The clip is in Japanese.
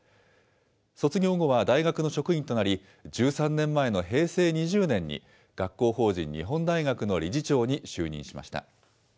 卒業後は大学の職員となり、１３年前の平成２０年に、学校法人日本大学の理事長に就任しました。